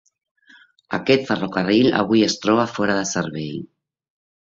Aquest ferrocarril avui es troba fora de servei.